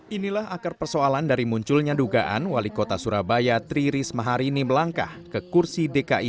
inilah akar persoalan dari munculnya dugaan wali kota surabaya tri risma hari ini melangkah ke kursi dki